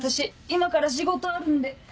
今から仕事あるんで。